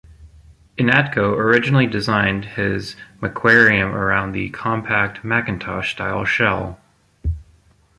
Ihnatko originally designed his Macquarium around the Compact Macintosh-style shell.